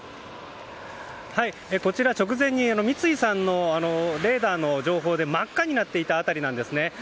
こちら直前に三井さんのレーダーの情報で真っ赤になっていた辺りなんですね。